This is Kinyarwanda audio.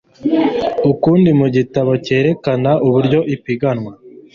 ukundi mu gitabo cyerekana uburyo ipiganwa